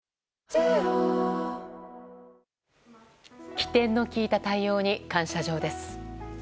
機転の利いた対応に感謝状です。